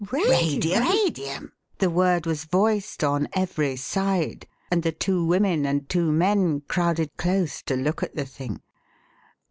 "Radium!" The word was voiced on every side, and the two women and two men crowded close to look at the thing.